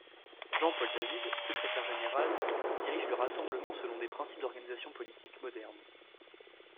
Jean-Paul David, secrétaire général, dirige le rassemblement selon des principes d'organisation politique moderne.